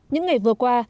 những ngày vừa qua